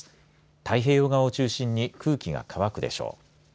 太平洋側を中心に空気が乾くでしょう。